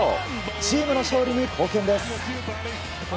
チームの勝利に貢献です。